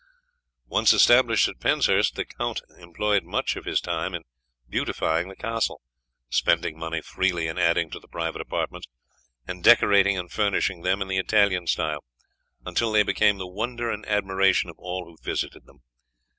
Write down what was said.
Once established at Penshurst the count employed much of his time in beautifying the castle, spending money freely in adding to the private apartments, and decorating and furnishing them in the Italian style, until they became the wonder and admiration of all who visited them.